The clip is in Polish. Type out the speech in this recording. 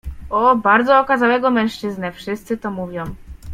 — O… bardzo okazałego mężczyznę, wszyscy to mówią.